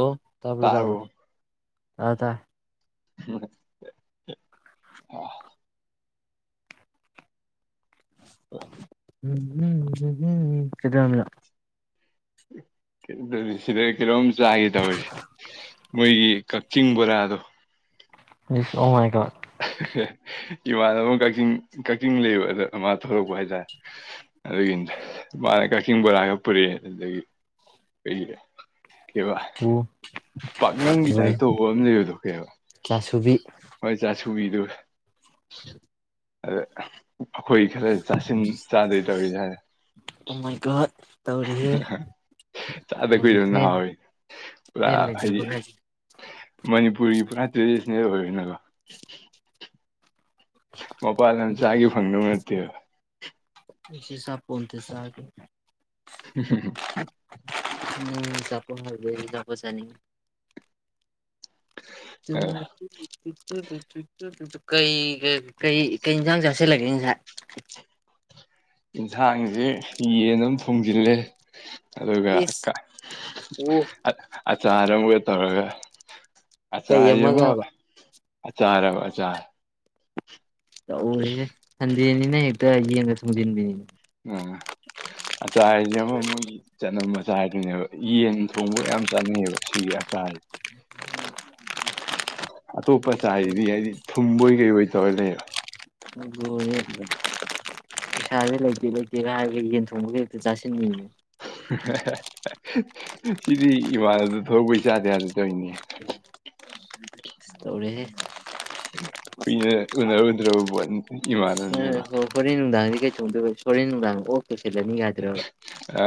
ꯑꯣ ꯇꯥꯕ꯭ꯔꯣ ꯇꯥꯕ꯭ꯔꯣ ꯇꯥꯔꯕꯣ ꯑꯗꯇꯥꯏ [unintelligible] ꯑ ꯎꯝ ꯍꯨꯝ ꯍꯨꯝ ꯍꯨꯝ ꯀꯩꯗꯧꯔꯝꯃꯤꯅꯣ [inaudible] ꯁꯤꯗꯩꯩ ꯀꯔꯣꯝ ꯆꯥꯒꯦ ꯇꯧꯔꯤ ꯃꯣꯏꯒꯤ ꯀꯛꯆꯤꯡꯕꯣꯔꯗꯣ ꯑꯁ ꯑꯣꯃꯥꯏꯒꯣꯠ ꯏꯃꯥꯟꯅꯕ ꯑꯃ ꯀꯛꯆꯤꯡ ꯀꯛꯆꯤꯡ ꯂꯩꯕ ꯑꯗꯨ ꯃꯥ ꯊꯣꯛꯂꯛꯄꯥ ꯍꯥꯏꯇꯥꯔꯦ ꯑꯗꯨꯒꯤꯅꯤꯗ ꯃꯥꯅ ꯀꯛꯆꯤꯡ ꯕꯣꯔꯥ ꯉꯥꯛ ꯄꯨꯔꯛꯑꯦ ꯑꯗꯨꯗꯒꯤ ꯑꯗꯨꯒꯤꯅꯦ ꯀꯦꯕ ꯎ ꯄꯥꯛꯅꯝꯒꯤ ꯂꯣꯏꯔꯦ ꯇꯥꯏꯞꯇꯧꯕ ꯑꯃ ꯂꯩꯕꯗꯣ ꯀꯦꯕ ꯆꯥꯁꯨꯕꯤ ꯍꯣꯏ ꯆ ꯁꯨꯕꯤꯗ ꯑꯗ ꯑꯩꯈꯣꯏ ꯈꯔ ꯆꯥꯁꯤꯟ ꯆꯥꯗꯣꯏ ꯇꯧꯔꯤ ꯍꯥꯏꯔꯦ ꯑꯣ ꯃꯥꯏ ꯒꯣꯠ ꯇꯧꯔꯦꯍꯦ [unintelligible] ꯆꯥꯗ ꯕꯣꯜꯒꯤ ꯀꯨꯏꯔꯅꯤꯅ ꯐꯦꯟ ꯍꯥꯎꯋꯤ ꯄꯨꯔꯥ ꯐꯦꯟ ꯍꯥꯏꯗꯤ ꯂꯩꯖꯕꯒꯥꯏꯁꯦ ꯃꯅꯤꯄꯨꯔꯒꯤ ꯄꯨꯔꯥ ꯇ꯭ꯔꯦꯗꯤꯁꯅꯦꯜ ꯑꯣꯏꯔꯦꯅꯀꯣ ꯃꯄꯥꯟꯗ ꯆꯥꯒꯦ ꯐꯪꯗꯧ ꯅꯠꯇꯦꯕ ꯇꯆꯥꯒꯦ [unintelligible] ꯎꯝ [inaudible] ꯆꯥꯅꯤꯡꯉꯤ ꯑ ꯎꯝ ꯇꯨꯇꯨꯇꯨꯇꯨꯇꯨꯇꯨ ꯀꯩꯒ ꯀꯩ ꯀꯩ ꯏꯟꯖꯥꯡ ꯆꯥꯁꯤꯜꯂꯒꯦ ꯉꯁꯥꯏ ꯏꯟꯁꯥꯡꯖꯤ ꯌꯦꯟ ꯑꯝ ꯊꯣꯡꯖꯤꯜꯂꯦ ꯑꯗꯨꯒ ꯏꯁ ꯑꯣ ꯆꯔ ꯂꯧꯒꯦ ꯇꯧꯔꯒ ꯑꯆꯥ ꯀꯩ ꯍꯥꯏ ꯑꯃꯒꯕ ꯑꯆꯥꯔꯕ ꯑꯆꯥꯆꯥ ꯇꯧꯔꯦ ꯍꯦ ꯍꯟ ꯇꯦꯟ ꯅꯤꯅꯥ ꯍꯦꯛꯇꯥ ꯌꯦꯟꯒꯥ ꯊꯣꯡꯖꯤꯟꯕꯤꯅꯤ ꯎꯝ ꯑꯆꯥ ꯑꯖꯤ ꯑꯃ ꯃꯣꯏꯒꯤ ꯆꯠꯅꯝ ꯑꯆꯥꯗꯨꯅꯦꯕ ꯌꯦꯟ ꯊꯣꯡꯕ ꯌꯥꯝ ꯆꯥꯅꯩꯌꯦꯕ ꯁꯤꯒꯤ ꯑꯆꯥꯔꯖꯦ ꯑꯇꯣꯞꯄ ꯆꯥꯏꯗꯤ ꯍꯥꯏꯗꯤ ꯊꯨꯝꯕꯣꯏ ꯀꯩ ꯍꯣꯏ ꯇꯧꯔ ꯂꯩꯕ ꯂꯣꯏꯔꯦ ꯄꯩꯁꯥꯁꯦ ꯂꯩꯇꯦ ꯂꯩꯇꯦꯒ ꯍꯥꯏꯔꯒ ꯌꯦꯟ ꯊꯣꯡꯕꯒꯤ ꯍꯦꯛꯇ ꯆꯥꯁꯤꯟꯉꯅꯦ [unintelligible] ꯁꯤꯗꯤ ꯏꯃꯥꯅꯕꯗꯣ ꯊꯣꯛꯂꯛꯄꯩ ꯆꯥꯗ ꯌꯥꯗ ꯇꯩꯅꯤꯅꯦ ꯇꯧꯔꯦꯍꯦ ꯀꯨꯏꯅ ꯎꯅꯔꯨꯗ꯭ꯔꯕ ꯄꯣꯠꯅꯤ ꯑꯥ ꯏꯃꯥꯟꯅꯕꯅꯦꯕ ꯍꯥꯑꯣꯔꯦꯟꯅꯨꯗꯥꯡ ꯀꯩ ꯍꯥꯎꯔꯦꯟ ꯅꯨꯪꯗꯥꯡ ꯑꯣ ꯁꯦꯗꯥ ꯃꯤ ꯉꯥꯏꯗꯣꯏꯔꯕ ꯑ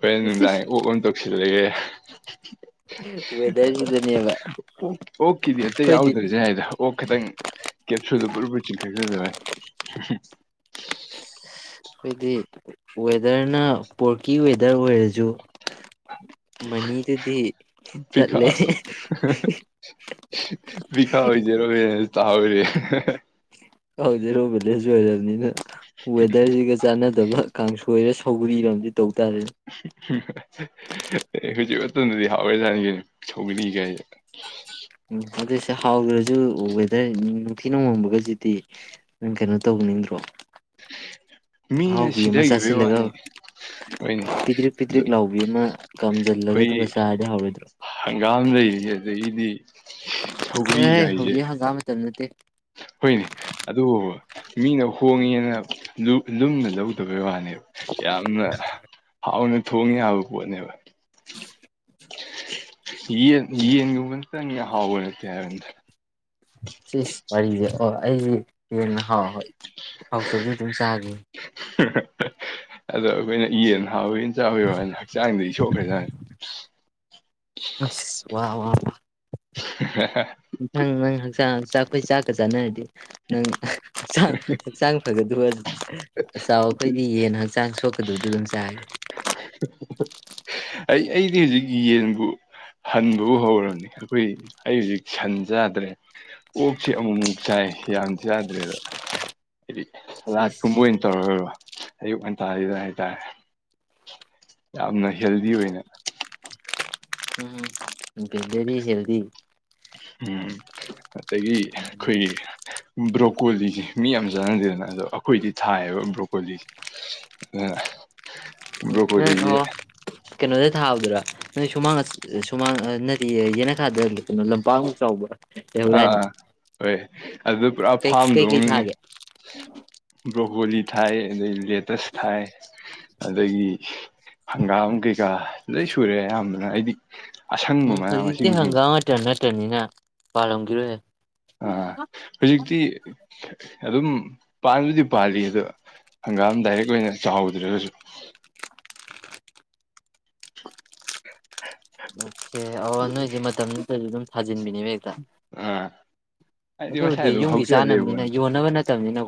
ꯍꯣꯔꯦꯟ ꯅꯨꯡꯗꯥꯡ ꯑꯣꯛ ꯑꯃ ꯇꯧꯁꯤꯜꯂꯒꯦ ꯋꯦꯗꯔꯁꯤꯗꯅꯦꯕ ꯑꯣꯈꯤꯗꯤ ꯑꯇꯩ ꯑꯩꯈꯣꯏꯗꯤ ꯌꯥꯎꯗ ꯔꯖꯗ ꯈꯤꯇꯪ ꯀꯦꯞꯁꯨꯗ ꯄꯨꯔꯄ ꯆꯤꯡꯈꯠꯈꯖꯔꯦ ꯑꯩꯈꯣꯏꯗꯤ ꯋꯦꯗꯔꯅ ꯄꯣꯔꯀꯤ ꯋꯦꯗꯔ ꯑꯣꯏꯔꯁꯨ ꯃꯅꯤꯗꯨꯗꯤ ꯐꯤꯈꯥ ꯇꯠꯂꯦ ꯑꯣꯏ ꯐꯤꯈꯥ ꯑꯣꯏꯣꯏꯖꯔꯣ ꯇ ꯍꯔꯤ ꯍꯧꯗꯤ ꯔꯣꯕꯂꯦꯁꯨꯔꯅꯤꯅ ꯋꯦꯗꯔꯁꯤꯒ ꯆꯥꯟꯅꯗꯕ ꯀꯥꯡꯁꯣꯏꯔꯁꯨ ꯍꯧꯧꯔꯤ ꯔ ꯍꯖꯤ ꯋꯥ ꯑꯗꯨꯗꯗꯤ ꯍꯥꯎꯔ ꯆꯥꯅꯤꯒꯤꯅꯤ ꯊꯧꯕꯤꯅꯤ ꯀꯩꯁꯦ ꯎꯝ ꯑꯗꯨꯁꯦ ꯍꯥꯎꯗ꯭ꯔꯁꯨ ꯋꯦꯗꯔ ꯅꯨꯡꯊꯤꯅ ꯍꯣꯟꯕꯒꯁꯤꯗꯤ ꯅꯪ ꯀꯩꯅꯣ ꯇꯧꯅꯤꯡꯗ꯭ꯔꯣ ꯃꯤꯅ ꯑꯍꯥꯎꯕꯤ ꯑꯃ ꯁꯤꯊꯈꯤꯕꯒꯤ ꯆꯥꯁꯤꯜꯂꯒ ꯋꯥꯅꯤ ꯍꯣꯏꯅꯦ ꯄꯤꯗ꯭ꯔꯤꯛ ꯑꯗꯨ ꯄꯤꯗ꯭ꯔꯤꯛ ꯂꯥꯎꯕꯤ ꯑꯃ ꯀꯥꯝꯖꯤꯜꯂꯒ ꯑꯩꯈꯣꯏꯒꯤ ꯑꯗꯨꯒ ꯆꯥꯔꯗꯤ ꯍꯧꯥꯎꯔꯣꯏꯗ꯭ꯔꯣ ꯍꯪꯒꯥꯝ ꯂꯩꯔꯤ ꯑꯗꯒꯤꯗꯤ ꯑꯥꯁ ꯁꯧꯒ꯭ꯔꯤꯒꯥꯏꯁꯦ ꯍꯧꯖꯤꯛ ꯍꯪꯒꯥꯝ ꯃꯇꯝꯗ ꯇ ꯍꯣꯏꯅꯦ ꯑꯗꯨꯕꯨ ꯃꯤꯅ ꯍꯣꯡꯉꯦꯅ ꯂꯨꯝꯅ ꯂꯧꯗꯕꯩ ꯋꯥꯅꯦ ꯌꯥꯝꯅ ꯍꯥꯎꯅ ꯊꯣꯡꯉꯦ ꯌꯥꯕ ꯄꯣꯠꯅꯦꯕ ꯏ ꯏ ꯌꯕ ꯆꯅꯤ ꯍꯥꯎꯕꯠꯇꯦ ꯌꯥꯔ ꯁꯤꯁ ꯋꯥꯔꯤꯁꯦ ꯑꯣ ꯑꯩꯁꯤꯦ ꯍꯦꯟꯅ ꯍꯥꯎ ꯍ ꯍꯥꯎꯆꯕꯗꯤ ꯑꯗꯨꯝ ꯆꯥꯈꯤ ꯑꯗꯣ ꯑꯩꯈꯣꯏꯅ ꯌꯦꯟ ꯍꯥꯎꯋꯅꯤ ꯆꯥꯕꯤꯔꯣ ꯍꯥꯏꯅ ꯍꯛꯆꯥꯡꯗ ꯏꯁꯣꯛꯈ꯭ꯔꯖ ꯑꯏ ꯋꯥ ꯋꯥ ꯋꯥ ꯍ ꯊꯪ ꯅꯪ ꯍꯛꯆꯥꯡ ꯆꯥꯛ ꯑꯩꯈꯣꯏ ꯆꯥꯛꯀꯁꯤ ꯖꯅꯥ ꯍꯥꯏꯗꯤ ꯅꯪ ꯍꯛꯆꯥꯡ ꯍꯛꯆꯥꯡ ꯐꯒꯗ꯭ꯔꯣ ꯑꯆ ꯑꯩꯈꯣꯏꯗꯤ ꯌꯦꯟ ꯍꯛꯆꯥꯡ ꯁꯣꯛꯀꯗꯕꯗ ꯑꯗꯨꯝ ꯆꯥ [unintelligible] ꯑꯩ ꯑꯩꯗꯤ ꯍꯧꯖꯤꯛ ꯌꯦꯟꯕꯨ ꯍꯟꯕꯕꯨ ꯍꯧꯔꯕꯅꯤ ꯑꯩꯈꯣꯏ ꯑꯩ ꯍꯧꯖꯤꯛ ꯁꯟ ꯆꯥꯗ꯭ꯔꯦ ꯑꯣꯛꯁꯤ ꯑꯃꯨꯛꯃꯨꯛ ꯆꯥꯏ ꯌꯥꯝ ꯆꯥꯗ꯭ꯔꯦꯗꯣ ꯍꯥꯏꯗꯤ ꯁꯤꯁ ꯑꯥꯠꯀꯨꯝꯕ ꯑꯣꯏꯅ ꯇꯧꯔꯣꯏꯔ ꯑꯨ ꯉꯥꯇꯥꯁꯤꯗ ꯍꯥꯏꯇꯥꯔ ꯌꯥꯝꯝ ꯅ ꯍꯦꯜꯗꯤ ꯑꯣꯏꯅꯅ ꯎꯝ ꯕꯦꯂꯦꯔꯤ ꯍꯦꯜꯔꯤ ꯎꯝ ꯑꯗꯒꯤ ꯑꯈꯣꯏꯒꯤ ꯕ꯭ꯔꯣꯀꯣꯂꯤꯁꯦ ꯃꯤ ꯌꯥꯝ ꯆꯥꯟꯅꯗꯦꯗꯅ ꯑꯗꯣ ꯑꯩꯈꯣꯏꯗꯤ ꯊꯥꯏꯌꯦꯕ ꯕ꯭ꯔꯣꯀꯣꯂꯤꯁꯦ ꯑꯗꯨꯅ ꯕ꯭ꯔꯣꯀꯣꯂꯤꯁꯦ ꯑꯣ ꯀꯩꯅꯣ ꯊꯥꯕꯗꯔꯥ ꯅꯣꯏ ꯁꯨꯃꯥꯡ ꯁꯨꯃꯥꯡ ꯅꯗꯤ ꯌꯦꯅꯊꯥꯗ ꯀꯩꯅꯣ ꯂꯝꯄꯥꯛꯃꯨꯛ ꯆꯥꯎꯕ꯭ꯔꯥ꯫ ꯑꯥ ꯑꯥ ꯍꯣꯏ ꯑꯗꯨ ꯄꯨꯔꯥ ꯀꯩ ꯀꯩꯀꯩ ꯐꯥꯝꯗꯧꯅꯅꯦ ꯊꯥꯒꯦ ꯕ꯭ꯔꯣꯀꯣꯂꯤ ꯊꯥꯌꯦ ꯑꯗꯩ ꯂꯦꯇꯁ ꯊꯥꯏ ꯑꯗꯒꯤ ꯍꯪꯒꯥꯝ ꯀꯩꯀꯥ ꯂꯣꯏ ꯁꯨꯔꯦ ꯑꯌꯥꯝꯕꯅ ꯍꯥꯏꯗꯤ ꯍꯧꯖꯥꯛꯇꯤ ꯍꯪꯒꯥꯝ ꯃꯇꯝ ꯅꯠ ꯇꯅꯤꯅ ꯄꯥꯜꯂꯝꯈꯤꯔꯣꯏꯍꯦ꯫ ꯑꯥ ꯍꯧꯖꯤꯛꯇꯤ ꯑꯗꯨꯝ ꯄꯥꯟꯕꯗꯤ ꯄꯥꯜꯂꯤ ꯑꯗꯣ ꯍꯪꯒꯥꯝ ꯗꯥꯏꯔꯦꯛ ꯑꯣꯏꯅ ꯆꯥꯎꯍꯧꯗ꯭ꯔꯦ ꯍꯧꯖꯤꯛ꯫ [unintelligible] ꯎꯝ꯫ ꯑꯦ ꯑꯋꯣ ꯅꯣꯏꯗꯤ ꯃꯇꯝꯗꯨꯗꯗꯤ ꯑꯗꯨꯝ ꯊꯖꯤꯟꯕꯤꯅꯦꯕ ꯍꯦꯛꯇ ꯫ ꯑꯥ꯫ ꯍꯥꯏꯗꯤ ꯃꯁꯥꯏ ꯑꯗꯨꯕꯨꯗꯤ ꯑꯗꯨꯝ ꯌꯨꯝꯒꯤ ꯍꯧꯖꯔ ꯆꯥꯅꯕꯅꯤꯅ ꯂꯩꯕꯋꯥꯅꯤ ꯌꯣꯟꯅꯕ ꯅꯠꯇꯕꯅꯤꯅ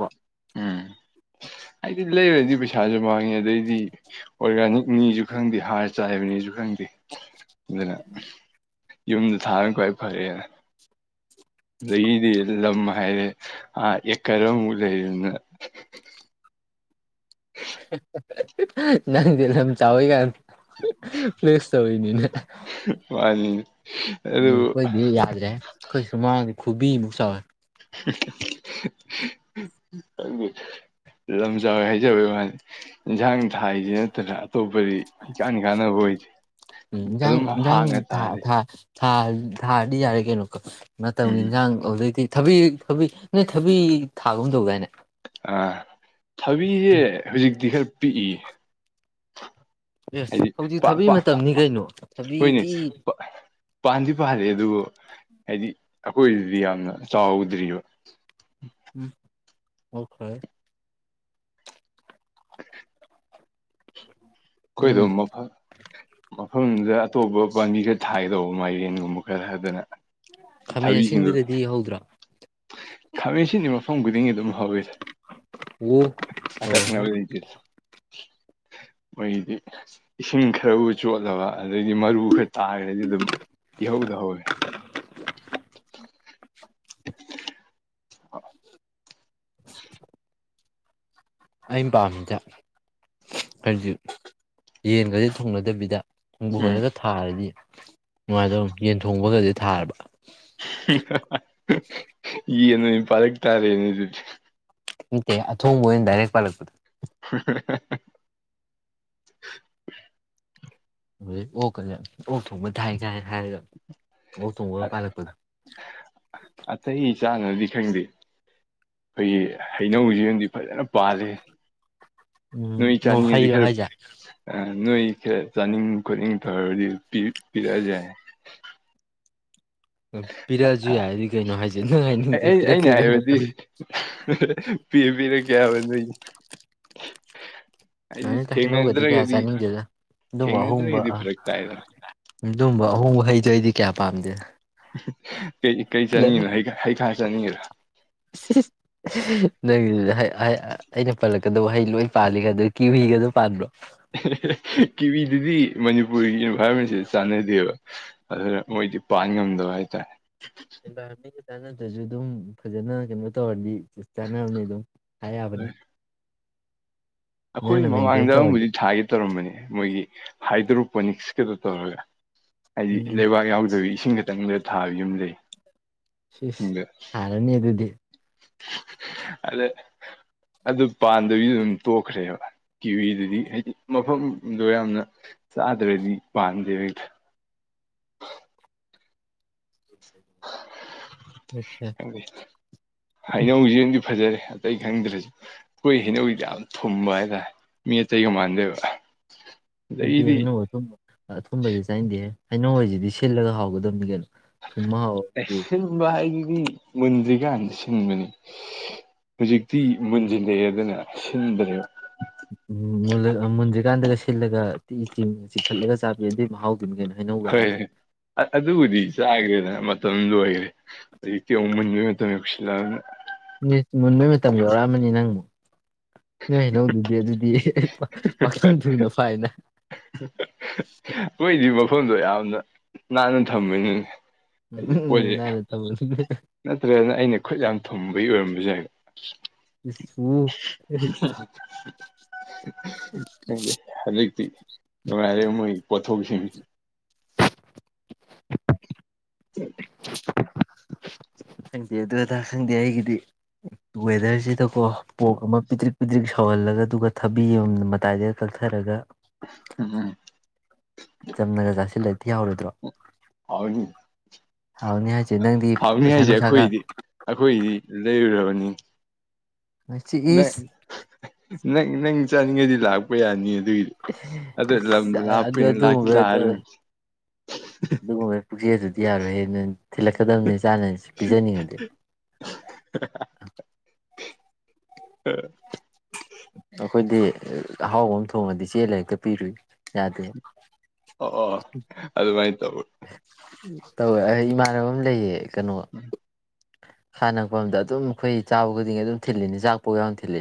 ꯑꯩꯗꯤ ꯂꯩꯔꯗꯤ ꯄꯩꯁꯥꯥꯖꯨ ꯃꯥꯡꯉꯦ ꯑꯗꯩꯗꯤ ꯑꯣꯔꯒꯥꯅꯤꯛꯅꯤꯁꯨ ꯈꯪꯗꯦ ꯍꯥꯔ ꯆꯥꯏꯕꯅꯤꯁꯨ ꯈꯪꯗꯦ ꯑꯗꯨꯅ ꯌꯨꯝꯗ ꯊꯥꯕꯅ ꯈ꯭ꯋꯥꯏ ꯐꯔꯑꯦꯅ ꯑꯗꯒꯤꯗꯤ ꯂꯝ ꯍꯥꯏꯔꯦ ꯑ ꯑꯦꯀꯔꯃꯨꯛ ꯂꯩꯔꯤꯅꯤꯅ꯫ ꯅꯪꯗꯤ ꯂꯝ ꯆꯥꯎꯏ ꯀꯥꯏꯅ ꯐ꯭ꯂꯦꯛꯁ ꯇꯧꯔꯤꯅꯤꯅꯦ ꯋꯥꯅꯤ ꯑꯗꯨ ꯑꯈꯣꯏꯗꯤ ꯌꯥꯗ꯭ꯔꯦ ꯑꯩꯈꯣꯏ ꯁꯨꯃꯥꯡ ꯈꯨꯨꯕꯤ ꯃꯨꯛ ꯆꯥꯎꯋꯦ ꯑꯗꯨ ꯂꯝꯆꯥꯎ ꯍꯥꯏꯖꯕꯩ ꯋꯥꯅꯤ ꯏꯟꯁꯥꯡ ꯊꯥꯏꯁꯤ ꯅꯠꯇꯅ ꯑꯇꯣꯞꯄꯗꯤ ꯏꯀꯥꯟ ꯀꯥꯟꯅꯕ ꯑꯣꯏꯗꯦ ꯎꯝ ꯏꯟꯖꯥꯡ ꯑꯗꯨꯝ ꯏꯟꯖꯥꯡ ꯍꯥꯡꯉ ꯊꯥ ꯇꯥꯜꯂꯤ ꯊꯥ ꯊꯥ ꯊꯥꯔ ꯗꯤꯌꯥꯔꯦ ꯀꯩꯅꯣ ꯀꯛ ꯃꯇꯝꯒꯤ ꯎꯝ ꯏꯟꯖꯥꯡ ꯑꯗꯨꯗꯩꯗꯤ ꯊꯕꯤ ꯊꯕꯤ ꯅꯣꯏ ꯊꯕꯤ ꯊꯥꯒꯨꯝ ꯇꯧꯗꯥꯏꯅꯦ ꯑ ꯊꯕꯤꯁꯦ ꯎꯝ ꯍꯧꯖꯤꯛꯇꯤ ꯈꯔ ꯄꯤꯛꯏꯌꯦ ꯑꯦ ꯍꯥꯏꯗꯤ ꯍꯧꯖꯤꯛ ꯄꯥꯛ ꯊꯕꯤ ꯄꯥꯛ ꯃꯇꯝꯅꯤ ꯀꯩꯅꯣ ꯍꯣꯏꯅꯦ ꯊꯕꯤꯗꯤ ꯄꯥꯟꯗꯤ ꯄꯥꯜꯂꯤ ꯑꯗꯨꯕꯨ ꯍꯥꯏꯗꯤ ꯑꯩꯈꯣꯏꯗꯗꯤ ꯌꯥꯝꯅ ꯆꯥꯎꯗ꯭ꯔꯤꯌꯦꯕꯥ ꯎꯝ ꯑꯣꯈꯦ ꯎꯝ ꯈꯣꯏꯗꯣ ꯃꯐꯝ ꯃꯐꯝꯗꯨꯗ ꯑꯇꯣꯞꯄ ꯄꯥꯝꯕꯤ ꯈꯔ ꯊꯥꯒꯗꯧꯕ ꯃꯥꯏꯔꯟꯒꯨꯝꯕ ꯈꯔ ꯍꯥꯏꯗꯅ ꯈꯥꯃꯦꯟ ꯑꯁꯤꯟꯕꯗꯗꯤ ꯏꯍꯧꯗ꯭ꯔꯥ ꯈꯥꯃꯦꯟ ꯑꯁꯤꯟꯁꯤ ꯃꯐꯝ ꯈꯨꯗꯤꯡꯒꯤ ꯑꯗꯨꯝ ꯍꯧꯢꯗ ꯎꯝ ꯎꯃ ꯍꯨꯝ [inaudible] ꯃꯣꯏꯗꯤ ꯏꯁꯤꯡ ꯈꯔꯕꯨ ꯆꯣꯠꯂꯕ ꯑꯗꯩꯗꯤ ꯃꯔꯨ ꯈꯔ ꯇꯥꯈ꯭ꯔꯗꯤ ꯑꯗꯨꯝ ꯏꯍꯧꯗ ꯍꯧꯔꯦ [unintelligible] [unintelligible] ꯑꯩꯅ ꯄꯥꯝꯃꯤꯗ ꯍꯧꯁꯨ ꯌꯦꯟꯒꯖꯦ ꯊꯣꯡꯅꯗꯕꯤꯗ ꯍꯣꯡꯕꯨ ꯎꯝ [unintelligible] ꯊꯥꯔꯗꯤ ꯅꯨꯡꯉꯥꯏꯇꯔꯣ ꯌꯦꯟ ꯊꯣꯡꯕꯒꯗꯤ ꯊꯥꯔꯕ ꯌꯦꯟꯅꯒ ꯄꯥꯏꯔꯛ ꯇꯥꯔꯦꯅꯤ ꯑꯗꯨꯗꯤ ꯅꯥꯠꯇꯦ ꯑꯊꯣꯡꯕ ꯑꯣꯏꯅ ꯗꯥꯏꯔꯦꯛ ꯄꯥꯂꯛꯄꯗ [inaudible] [unintelligible] ꯑꯣꯛ ꯊꯣꯡꯕ ꯊꯥꯏ ꯊꯥꯏ ꯍꯥꯏꯔꯒ ꯑꯣꯛ ꯊꯣꯡꯕꯒ ꯄꯥꯜꯂꯛꯄꯗꯣ ꯑꯇꯩ ꯆꯥꯅꯗꯤ ꯈꯪꯗꯦ ꯑꯩ ꯍꯩꯅꯧꯁꯤ [unintelligible] ꯐꯖꯅ ꯄꯥꯜꯂꯤ ꯅꯣꯏ ꯎꯝ ꯑꯣ ꯆꯥꯅꯤꯡꯉꯗꯤ ꯍꯩꯔꯣ ꯈꯔ ꯍꯥꯏꯁꯦ ꯑ ꯅꯣꯏ ꯆꯥ ꯆꯥꯅꯤꯡ ꯈꯣꯠꯅꯤꯡ ꯇꯩꯔꯗꯤ ꯄꯤ ꯄꯤꯔꯛꯑꯖꯨ ꯌꯥꯏ ꯄꯤꯔꯛꯑꯁꯨ ꯌꯥꯏꯗꯤ ꯀꯩꯅꯣ ꯍꯥꯏꯁꯦ ꯅꯪ ꯑꯩ ꯍꯥꯏꯅꯤꯡꯁꯦ ꯑꯩ ꯑꯩꯅ ꯄꯤꯔꯛꯀꯦꯒ ꯍꯥꯏꯕꯗꯤ ꯄꯤ ꯄꯤꯔꯛꯀꯦ ꯍꯥꯏꯕꯅꯤ ꯑꯩꯗꯤ ꯅꯠꯇ ꯍꯩꯅꯧꯒꯗꯤ ꯀꯌꯥ ꯊꯦꯡꯅꯗ꯭ꯔꯒꯗꯤ ꯆꯥꯅꯤꯡꯗꯦꯗ ꯑꯗꯨꯝꯕ ꯑꯍꯣꯡꯕ ꯊꯦꯡꯅꯗ꯭ꯔꯒꯗꯤ ꯐꯔꯛ ꯇꯥꯏꯗꯅ ꯑꯗꯨꯝꯕ ꯑꯍꯣꯡꯕ ꯍꯩꯗꯣ ꯑꯩꯗꯤ ꯀꯌꯥ ꯄꯥꯝꯗꯦ ꯀꯔꯤ ꯀꯔꯤ ꯆꯠꯅꯤꯡꯉꯤꯅꯣ ꯍꯩꯈꯥ ꯍꯩꯈꯥ ꯆꯠꯅꯤꯡꯉꯤꯔꯣ ꯏꯁ ꯏꯁ ꯅꯪ ꯑꯩ ꯑꯩ ꯑꯩꯅ ꯄꯜꯂꯛꯀꯗꯕ ꯍꯩ ꯂꯣꯏ ꯄꯥꯜꯂꯤ ꯀꯗꯨꯗꯤ ꯀꯤꯋꯤ ꯒꯥꯏꯗꯣ ꯄꯥꯟꯕ꯭ꯔꯣ ꯏꯍꯤ ꯏꯍꯤ ꯀꯤꯋꯤꯗꯨꯗꯤ ꯃꯅꯤꯄꯨꯔꯒꯤꯅꯦꯕ ꯐꯔꯃꯤꯁꯤ ꯆꯥꯟꯅꯗꯦꯕ ꯑꯗꯨꯗ ꯃꯣꯏꯗꯤ ꯄꯥꯟ ꯉꯝꯗꯕ ꯍꯥꯏꯇꯥꯔꯦ ꯆꯥꯟꯅꯗꯁꯨ ꯑꯗꯨꯝ ꯐꯖꯅ ꯀꯩꯅꯣ ꯇꯧꯔꯗꯤ ꯆꯥꯟꯅꯕꯅꯤ ꯑꯗꯨꯝ ꯍꯥꯏ ꯌꯥꯕꯅꯤ ꯑꯩꯈꯣꯏ ꯅꯪꯅ ꯃꯃꯥꯡꯗ ꯃꯦꯟꯇꯦꯟ ꯇꯧꯔꯗꯤ ꯑꯃꯕꯨꯗꯤ ꯊꯥꯒꯦ ꯇꯧꯔꯝꯕꯅꯤ ꯃꯣꯏꯒꯤ ꯍꯥꯏꯗ꯭ꯔꯣꯄꯣꯅꯤꯛꯁꯀꯗꯣ ꯇꯧꯔꯒ ꯍꯥꯏꯗꯤ ꯎꯝ ꯂꯩꯕꯥꯛ ꯌꯥꯎꯗꯕꯤ ꯏꯁꯤꯡ ꯈꯛꯇꯪ ꯊꯥꯕ ꯌꯨꯝ ꯂꯩꯩ ꯁꯤꯁ ꯐꯥꯔꯅꯤ ꯑꯗꯨꯗꯤ ꯑꯗ ꯑꯗꯨ ꯄꯥꯟꯗꯕꯤ ꯑꯗꯨꯝ ꯇꯣꯛꯈ꯭ꯔꯦꯕ ꯀꯤꯋꯤꯗꯨꯗꯤ ꯍꯥꯏꯗꯤ ꯃꯐꯝꯗꯣ ꯌꯥꯝꯅ ꯆꯥꯗꯔꯥꯗꯤ ꯄꯥꯟꯗꯦ ꯍꯥ ꯑꯣꯀꯦ [inaudible] ꯈꯪꯗꯦ ꯍꯩꯅꯧ ꯁꯤꯝꯗꯤ ꯐꯖꯔꯦ ꯑꯇꯩ ꯈꯪꯗ꯭ꯔꯁꯨ ꯑꯩꯈꯣꯏ ꯍꯩꯅꯧꯗꯤ ꯌꯥꯝ ꯊꯨꯝꯕ ꯍꯥꯏꯇꯥꯔꯦ ꯃꯤ ꯑꯇꯩꯒ ꯃꯥꯟꯗꯦꯕ ꯍꯥꯏꯗꯤ ꯑꯗꯒꯤꯗꯤ ꯍꯩꯅꯧ ꯑꯊꯕ ꯑꯊꯨꯝꯕꯕꯁꯤ ꯆꯥꯏꯅꯤꯡꯗꯦ ꯍꯩꯅꯧꯁꯤꯗꯤ ꯗꯤ ꯁꯤꯜꯂꯒ ꯍꯥꯎꯒꯗꯕꯅꯤ ꯀꯩꯅꯣ ꯊꯨꯝꯃ ꯍꯥꯎꯕꯗꯤ ꯑꯁꯤꯟꯕ ꯍꯥꯏꯗꯤ [inaudible] ꯃꯨꯟꯗ꯭ꯔꯤꯀꯥꯟꯗ ꯁꯤꯟꯕꯅꯤ ꯍꯧꯖꯤꯛꯇꯤ ꯃꯨꯟꯁꯤꯜꯂꯛꯑꯦꯗꯅ ꯁꯤꯟꯕꯂꯦ ꯎꯜ ꯃꯨꯟꯗ꯭ꯔꯤꯀꯥꯟꯗꯒ ꯁꯤꯜꯂꯒꯤ ꯆ ꯆꯤꯡꯈꯠꯂꯒ ꯆꯥꯕꯤ ꯑꯗꯨꯏ ꯃꯍꯥꯎ ꯍꯣꯏ ꯑꯗꯨꯕꯨꯗꯤ ꯆꯥꯈ꯭ꯔꯦꯗ ꯃꯇꯝꯗꯨ ꯑꯣꯏꯈꯔꯦ ꯍꯧꯛꯇꯤ ꯑꯃꯟꯒꯤ ꯃꯇꯝ ꯌꯁꯤꯜꯂ ꯃꯨꯟꯕꯩ ꯃꯇꯝ ꯌꯧꯔꯛꯑꯃꯅꯤ ꯅꯪꯕꯨꯛ ꯅ ꯅꯧꯗꯨꯗꯤ ꯑꯗꯨꯗꯤ ꯄꯥꯈꯪ ꯊꯨꯅ ꯐꯥꯏꯅ ꯇꯨꯃꯁ [inaudible] ꯑꯩꯈꯣꯏꯗꯤ ꯃꯈꯣꯟꯗꯣ ꯌꯥꯝꯅ ꯅꯥꯟꯅ ꯊꯝꯝꯕꯅꯤ ꯎꯝ ꯅꯥꯟꯅꯥ ꯇꯧ ꯅꯠꯇ꯭ꯔꯅ ꯑꯩꯅ ꯈꯨꯠ ꯌꯥꯝ ꯊꯨꯝꯕꯒꯤ ꯑꯣꯏꯔꯝꯕꯁꯨ ꯌꯥꯏꯕ ꯎꯝ ꯔꯦ ꯃꯣꯏ ꯄꯊꯣꯛꯁꯤ ꯆ ꯈꯪꯗꯦ ꯑꯗꯨ ꯑꯗꯥ ꯈꯪꯗꯦ ꯑꯩꯒꯤꯗꯤ ꯋꯦꯗꯔꯁꯤꯗꯀꯣ ꯄꯣꯛ ꯑꯃ ꯄꯤꯗ꯭ꯔꯤꯛ ꯄꯤꯗ꯭ꯛ ꯁꯧꯍꯜꯂꯒ ꯑꯗꯨꯒ ꯊꯕꯤ ꯑꯃ ꯃꯇꯥꯏꯗ ꯀꯠꯛꯊꯔꯒ ꯎ ꯆꯝꯅꯒ ꯆꯥꯁꯤꯜꯂꯦ ꯊꯤꯍꯔꯣꯏꯗ꯭ꯔꯣ ꯍꯥꯎꯅꯦ [unintelligible] ꯐꯕꯅꯤ ꯍꯥꯏꯁꯦ ꯑꯩꯈꯣꯏꯗꯤ ꯑꯩꯈꯣꯏꯗꯤ ꯂꯩꯔꯨꯔꯕꯅꯤ꯫ ꯃꯁꯤ ꯅꯪ ꯏꯁ ꯅꯪ ꯅꯪ ꯆꯥꯅꯤꯡꯉꯩꯗꯤ ꯂꯥꯛꯄ ꯌꯥꯅꯤ꯫ ꯑꯗꯨꯒꯤꯗꯤ ꯏꯁ ꯑꯗꯨ ꯏꯁ ꯂꯝꯗꯣ ꯑꯥ ꯑꯗꯨ ꯂꯥꯞꯄꯅꯤꯅ ꯂꯥꯛꯇꯤ ꯑꯗꯨꯒꯨꯝꯕ ꯂꯥꯛꯑꯔꯅꯤ [unintelligible] ꯑꯗꯨꯒꯨꯝꯕ ꯄꯨꯛꯆꯦꯜꯗꯨꯗꯤ ꯌꯥꯔꯣꯏꯍꯦ ꯅꯟ ꯊꯤꯜꯂꯛꯀꯗꯕꯅꯤ ꯆꯥꯅꯁꯨ ꯄꯤꯖꯅꯤꯡꯉꯗꯤ꯫ [unintelligible] ꯑꯩꯈꯣꯏꯗꯤ ꯑꯍꯥꯎꯕ ꯑꯃ ꯊꯣꯡꯉꯗꯤ ꯆꯦ ꯂꯥꯒ ꯍꯦꯛꯇ ꯄꯤꯔꯨꯏ ꯌꯥꯗꯦ꯫ ꯑꯣ ꯑꯗꯨꯃꯥꯏꯅ ꯇꯧꯋꯤ ꯇꯧꯋꯦ ꯑꯩ ꯏꯃꯥꯟꯅꯕ ꯑꯃ ꯂꯩꯌꯦ ꯀꯅꯣ ꯍꯥꯟꯅꯛꯄ ꯑꯗ ꯑꯗꯨꯝ ꯑꯩꯈꯣꯏ ꯆꯥꯕ ꯈꯨꯗꯤꯡꯒꯤ ꯑꯗꯨꯝ ꯊꯤꯜꯂꯤꯅꯤ ꯆꯥꯛꯄꯥꯎ ꯌꯥꯝ ꯊꯤꯜꯂꯤ꯫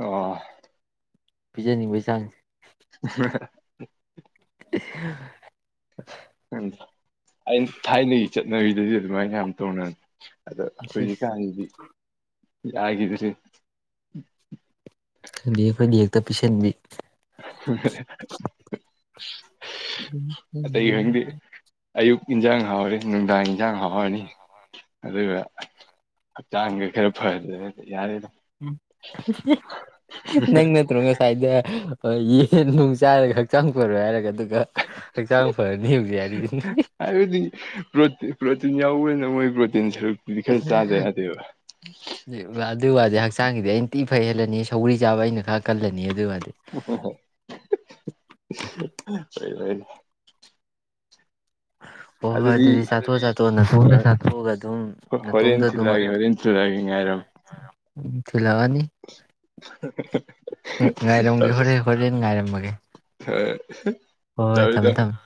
ꯑꯣ ꯄꯤꯖꯅꯤꯡꯕꯩ ꯆꯥꯡ [unintelligible] [unintelligible] ꯎꯝ ꯑꯩ ꯊꯥꯏꯅꯩꯆꯠ ꯅꯣꯏꯗꯗꯤ ꯑꯗꯨꯃꯥꯏꯅ ꯌꯥꯝ ꯇꯧꯅ ꯑꯗꯣ ꯍꯧꯖꯤꯛꯀꯥꯟꯗꯤ [unintelligible] ꯈꯪꯗꯤ ꯑꯩꯈꯣꯏꯗꯤ ꯍꯦꯛꯇ ꯄꯤꯁꯟꯕꯤ꯫ [unintelligible] ꯑꯇꯩ ꯈꯪꯗꯦ ꯎꯝ ꯑꯌꯨꯛ ꯏꯟꯖꯥꯡ ꯍꯥꯎꯔꯦ ꯅꯨꯡꯗꯥꯡ ꯌꯦꯟꯁꯥꯡ ꯍꯥꯎꯔꯅꯤ ꯑꯗꯨꯒ ꯍꯛꯆꯥꯡꯖꯦ ꯈꯔ ꯐꯗ꯭ꯔꯦ ꯌꯥꯔꯦꯗ ꯅꯪ ꯅꯠꯇ꯭ꯔꯣ ꯉꯥꯁꯥꯏꯗꯩꯩ ꯍꯣꯏ ꯌꯦꯟ ꯅꯨꯡ ꯆꯥꯏꯔꯒ ꯍꯛꯆꯥꯡ ꯐꯔꯣꯏ ꯍꯥꯏꯔꯒ ꯑꯗꯨꯒ ꯍꯛꯆꯥꯡ ꯐꯔꯅꯤ ꯍꯨꯖꯤ [unintelligible] ꯍꯥꯏꯕꯗꯤ ꯄ꯭ꯔꯣꯇꯤꯟ ꯄ꯭ꯔꯣꯇꯤꯟ ꯌꯥꯎꯕꯅ ꯃꯣꯏ ꯄ꯭ꯔꯣꯇꯤꯟ ꯁꯨ ꯈꯥ ꯆꯗꯌꯥꯗꯦꯕ ꯑꯗꯨ ꯋꯥꯗꯤ ꯍꯛꯆꯥꯡꯒꯤꯗꯤ ꯑꯩꯅꯇꯤ ꯐꯥ ꯍꯦꯟꯂꯅꯤ ꯁꯧꯔꯤ ꯆꯥꯕ ꯑꯩꯅ ꯈꯔ ꯀꯜꯂꯅꯤ ꯑꯗꯨꯗꯤ ꯍꯣꯏ ꯍꯣꯏ [unintelligible] ꯍꯣꯏ ꯍꯣꯏ ꯑꯗꯨꯗꯤ ꯆꯥꯊꯣꯛ ꯆꯥꯊꯣꯛꯑꯣ ꯅꯥꯇꯣꯝꯗ ꯆꯥꯊꯣꯛꯑꯒ ꯑꯗꯨꯝ ꯍꯣꯔꯦꯟ ꯅꯥꯇꯣꯝꯗ ꯑꯗꯨꯝ ꯊꯤꯜꯂꯛꯑꯒꯦ ꯍꯣꯔꯦꯟ ꯊꯤꯜꯂꯛꯑꯒꯦ ꯉꯥꯏꯔꯝꯃꯣ [inaudible] ꯊꯤꯜꯂꯛꯑꯅꯤ ꯉꯥꯏꯔꯝꯒꯦ ꯍꯣꯔꯦꯟ ꯍꯣꯔꯦꯟ ꯉꯥꯏꯔꯝꯃꯒꯦ ꯍ [unintelligible] ꯍꯣꯏ ꯍꯣꯏ ꯊꯝꯃꯦ ꯊꯝꯃꯦ